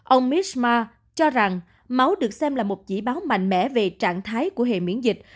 ông misma cho rằng máu được xem là một chỉ báo mạnh mẽ về trạng thái của hệ miễn dịch